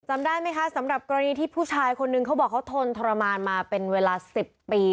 จำได้ไหมคะสำหรับกรณีที่ผู้ชายคนนึงเขาบอกเขาทนทรมานมาเป็นเวลา๑๐ปี